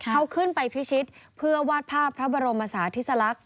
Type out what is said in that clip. เขาขึ้นไปพิชิตเพื่อวาดภาพพระบรมศาธิสลักษณ